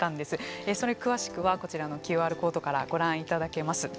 それ詳しくはこちらのＱＲコードからご覧いただけます。